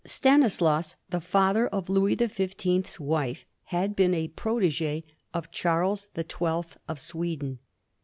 Stanislaus, the father of Louis the Fifteenth's wife, had been a protigi of Charles the Twelfth of Sweden.